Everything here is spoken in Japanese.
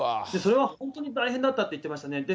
それは本当に大変だったって言ってますね。